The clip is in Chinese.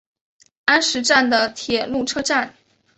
安食站的铁路车站。